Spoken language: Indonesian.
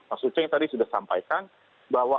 mas uceng tadi sudah sampaikan bahwa